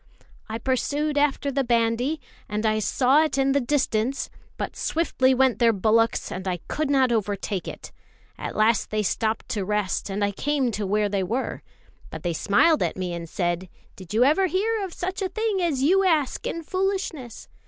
"I pursued after the bandy, and I saw it in the distance; but swiftly went their bullocks, and I could not overtake it. At last they stopped to rest, and I came to where they were. But they smiled at me and said: 'Did you ever hear of such a thing as you ask in foolishness?